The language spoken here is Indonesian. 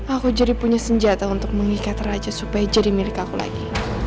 aku jadi punya senjata untuk mengikat raja supaya jadi milik aku lagi